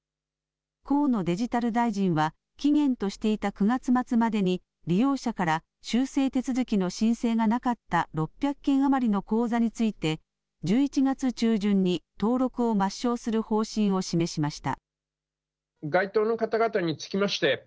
河野デジタル大臣は、期限としていた９月末までに利用者から修正手続きの申請がなかった６００件余りの口座について、１１月中旬に登録を抹消する方針を示しました。